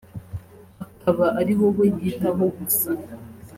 akaba ari wowe yitaho gusa